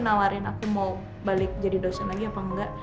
nawarin aku mau balik jadi dosen lagi apa enggak